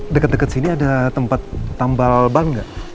deket deket sini ada tempat tambal ban gak